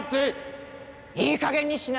いいかげんにしな。